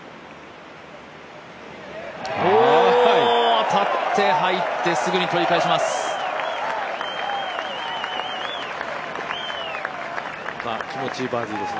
当たって入ってすぐにとり返します。